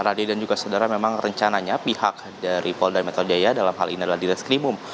radio dan juga saudara memang rencananya pihak dari polda metro jaya dalam hal ini adalah di reskrimum